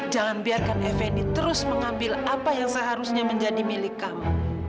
jangan biarkan effendi terus mengambil apa yang seharusnya menjadi milik kamu